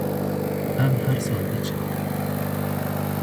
Em her sal diçin.